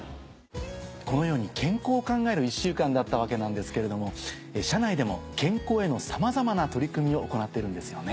このように健康を考える１週間だったわけなんですけれども社内でも健康へのさまざまな取り組みを行っているんですよね。